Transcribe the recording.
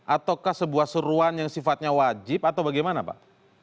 ataukah sebuah seruan yang sifatnya wajib atau bagaimana pak